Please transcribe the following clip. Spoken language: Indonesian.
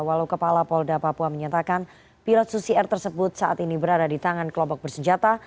walau kepala polda papua menyatakan pilot susi air tersebut saat ini berada di tangan kelompok bersenjata